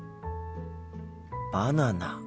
バナナか。